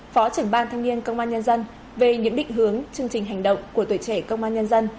phó trưởng ban thanh niên công an nhân dân về những định hướng chương trình hành động của tuổi trẻ công an nhân dân